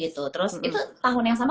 terus itu tahun yang sama